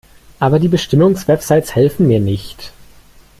Aber die Bestimmungswebsites helfen mir nicht.